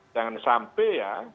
jangan sampai ya